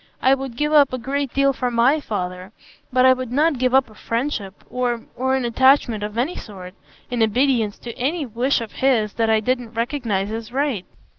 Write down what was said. I would give up a great deal for my father; but I would not give up a friendship or—or an attachment of any sort, in obedience to any wish of his that I didn't recognise as right."